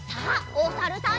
おさるさん。